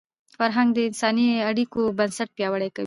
فرهنګ د انساني اړیکو بنسټ پیاوړی کوي.